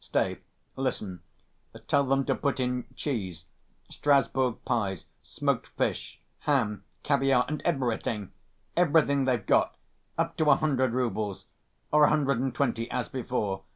"Stay, listen; tell them to put in cheese, Strasburg pies, smoked fish, ham, caviare, and everything, everything they've got, up to a hundred roubles, or a hundred and twenty as before....